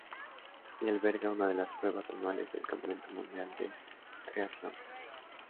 Y alberga una de las pruebas anuales del Campeonato Mundial de Triatlón.